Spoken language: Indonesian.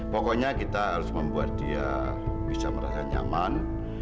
pokoknya kita harus membuat dia bisa merasa nyaman